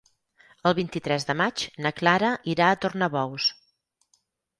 El vint-i-tres de maig na Clara irà a Tornabous.